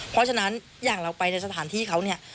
เพราะฉะนั้นอย่างเราไปในสถานที่เขาเนี่ย